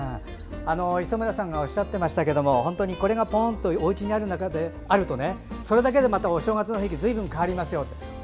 磯村さんがおっしゃってましたがこれがポンとおうちにあるとね、それだけでまたお正月の雰囲気がずいぶん変わりますね。